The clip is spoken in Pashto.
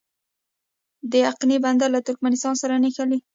د اقینې بندر له ترکمنستان سره نښلي